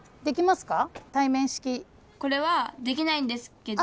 これはできないんですけど。